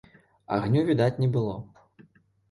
Агню відаць не было.